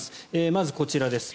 まず、こちらです。